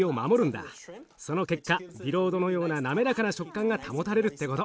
その結果ビロードのような滑らかな食感が保たれるってこと。